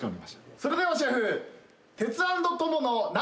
それではシェフ。